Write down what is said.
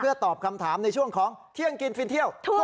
เพื่อตอบคำถามในช่วงของเที่ยงกินฟิลเที่ยวทั่วไทย